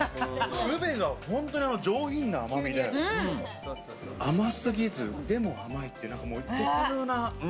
ウベが本当に上品な甘みで、甘すぎず、でも甘いっていう絶妙な。